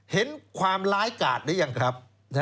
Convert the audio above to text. เห็นความร้ายกาดหรือยังครับ